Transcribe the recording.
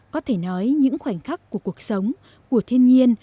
có thể nói những khoảnh khắc của cuộc sống của thiên nhiên